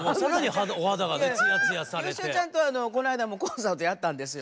芳雄ちゃんとこないだもコンサートやったんですよ。